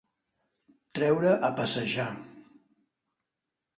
Treure a passejar.